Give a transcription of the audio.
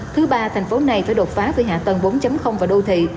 thứ ba tp này phải đột phá với hạ tầng bốn và đô thị